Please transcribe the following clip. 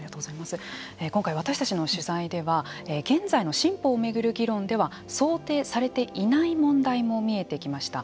今回私たちの取材では現在の新法を巡る議論では想定されていない問題も見えてきました。